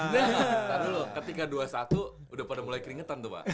tahu dulu ketika dua satu sudah pada mulai keringetan tuh pak